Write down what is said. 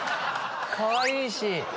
かわいいし。